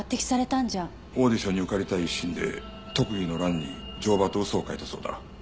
オーディションに受かりたい一心で特技の欄に「乗馬」と嘘を書いたそうだ。